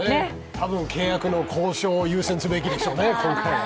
多分、契約の交渉を優先すべきでしょうね、今回は。